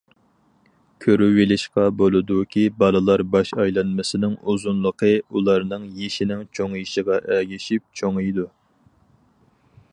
كۆرۈۋېلىشقا بولىدۇكى، بالىلار باش ئايلانمىسىنىڭ ئۇزۇنلۇقى ئۇلارنىڭ يېشىنىڭ چوڭىيىشىغا ئەگىشىپ چوڭىيىدۇ.